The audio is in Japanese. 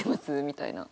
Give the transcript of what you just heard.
みたいな。